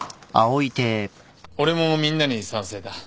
俺もみんなに賛成だ。